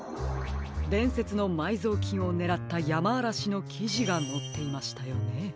でんせつのまいぞうきんをねらったやまあらしのきじがのっていましたよね。